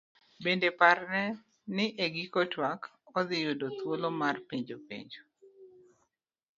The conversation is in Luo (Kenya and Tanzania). Bende parne ni e giko twak, odhi yudo thuolo mar penjo penjo.